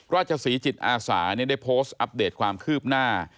ราชศรีจิตอาสาได้โพสต์อัปเดตความคืบหน้า